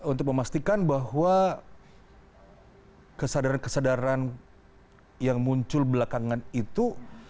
untuk memastikan bahwa kesadaran kesadaran yang muncul belakangan itu